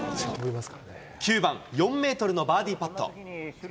９番、４メートルのバーディーパット。